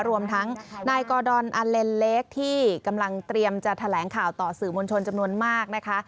รวมทั้งนายกอดอนอเลนเล็กที่กำลังเตรียมจะแถลงข่าวต่อสื่อมวลชนจำนวนมากนะคะ